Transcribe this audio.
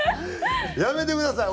やめてください